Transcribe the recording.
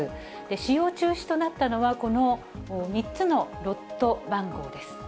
使用中止となったのは、この３つのロット番号です。